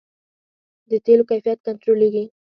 د تیلو کیفیت کنټرولیږي؟